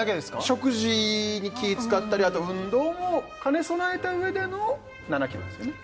食事に気つかったりあと運動も兼ね備えたうえでの７ｋｇですよね？